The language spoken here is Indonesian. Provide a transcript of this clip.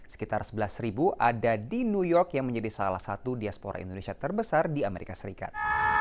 sekitar sebelas ada di new york yang menjadi salah satu diaspora indonesia terbesar di amerika serikat